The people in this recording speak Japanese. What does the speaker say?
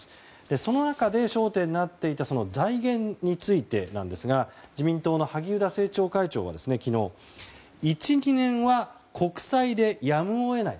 その中で焦点になっていた財源についてですが自民党の萩生田政調会長は、昨日１２年は国債でやむを得ない。